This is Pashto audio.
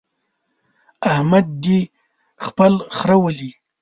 احمد دې خپل خره ولي.